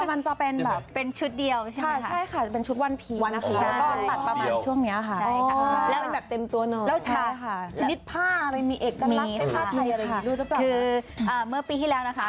มันเป็นแผ่นกาจมอก